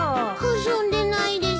遊んでないです。